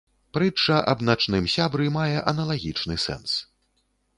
Прытча аб начным сябры мае аналагічны сэнс.